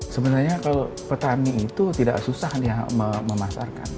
sebenarnya kalau petani itu tidak susah ya memasarkan